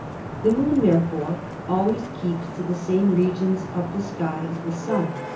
The Moon, therefore, always keeps to the same regions of the sky as the Sun.